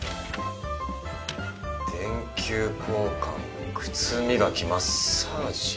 「電球交換靴みがきマッサージ」。